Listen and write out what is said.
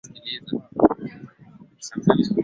Venezuela Ecuador Bolivia Guyana Suriname na